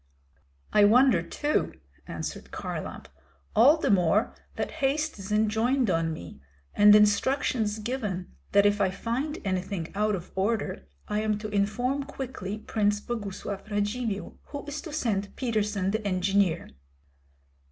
"I wonder too," answered Kharlamp, "all the more that haste is enjoined on me, and instructions given that if I find anything out of order I am to inform quickly Prince Boguslav Radzivill, who is to send Peterson the engineer."